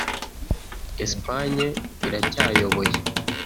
Espagne iracyayoboye